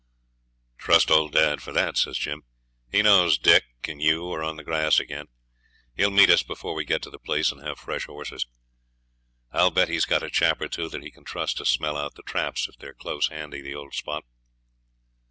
'Trust old dad for that,' says Jim; 'he knows Dick and you are on the grass again. He'll meet us before we get to the place and have fresh horses. I'll bet he's got a chap or two that he can trust to smell out the traps if they are close handy the old spot.